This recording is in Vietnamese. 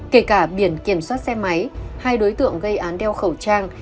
kể cả biển kiểm soát xe máy hai đối tượng gây án đeo khẩu trang